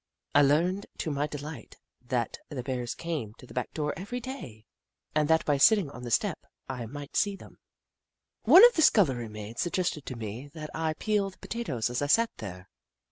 I learned, to my delight, that Bears came to the back door every day, and that by sitting on the step, I might see them. Snoof 59 One of the scullery maids suggested to me that I peel the potatoes as I sat there.